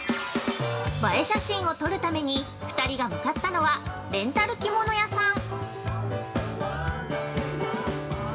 ◆映え写真を撮るために２人が向かったのはレンタル着物屋さん。